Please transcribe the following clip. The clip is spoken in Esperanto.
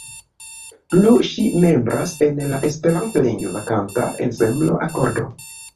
Plu ŝi membras en la esperantlingva kanta ensemblo Akordo.